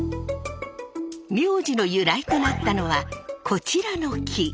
名字の由来となったのはこちらの木。